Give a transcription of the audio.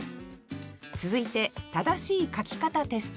続いて正しい書き方テスト。